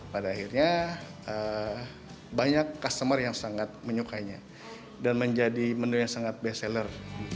pada akhirnya banyak customer yang sangat menyukainya dan menjadi menu yang sangat best seller